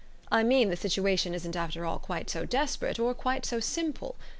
I mean the situation isn't after all quite so desperate or quite so simple.